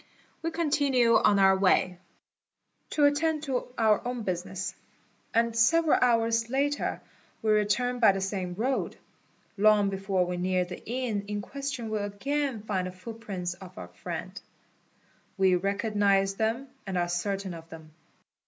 We continue on our way, to attend to our own business, and several "hours later we return by the same road. Long before we near the inn in question we again find the footprints of our friend; we recognise them and are certain of them.